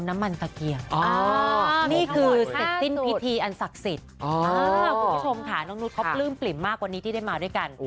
น้องนุษย์เค้าปลื้มปลิ่มมากว่านี้ที่ได้มาด้วยกัน